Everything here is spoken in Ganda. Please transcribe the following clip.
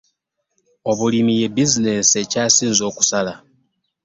Obulimi ye bizibensi ekyasinze okusala.